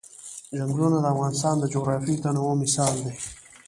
چنګلونه د افغانستان د جغرافیوي تنوع مثال دی.